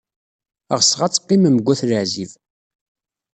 Ɣseɣ ad teqqimem deg At Leɛzib.